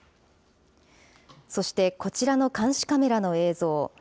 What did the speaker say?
そして、こちらの監視カメラの映像。